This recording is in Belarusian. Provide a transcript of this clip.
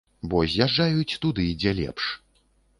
Бо з'язджаюць туды, дзе лепш.